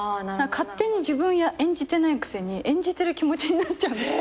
勝手に自分は演じてないくせに演じてる気持ちになっちゃうんです。